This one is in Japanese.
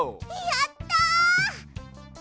やった！